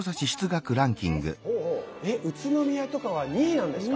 え宇都宮とかは２位なんですか？